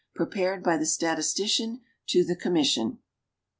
Prepared by the Statistician to the Com mission.